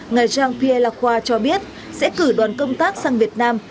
ngài jean pierre lacroa cho biết sẽ cử đoàn công tác sang việt nam